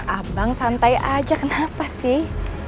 abang santai aja kenapa sih